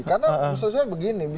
karena misalnya begini